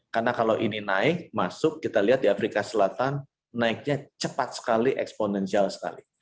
karena kalau ini naik masuk kita lihat di afrika selatan naiknya cepat sekali eksponensial sekali